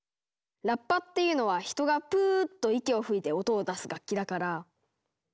ラッパっていうのは人がプーッと息を吹いて音を出す楽器だから。